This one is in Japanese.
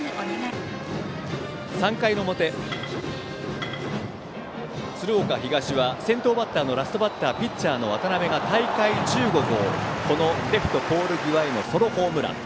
３回の表、鶴岡東は先頭バッターのラストバッターピッチャーの渡辺が大会１５号レフトポール際へのソロホームラン。